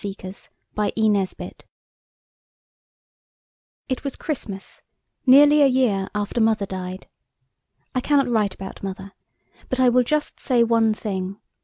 THE CONSCIENCE PUDDING IT was Christmas, nearly a year after Mother died. I cannot write about Mother–but I will just say one thing.